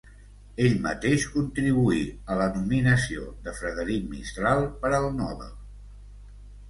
Ell mateix contribuí a la nominació de Frederic Mistral per al Nobel.